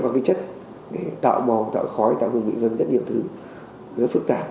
các chất tạo bò tạo khói tạo hùng vị vân rất nhiều thứ rất phức tạp